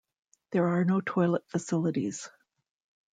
There are no toilet facilities.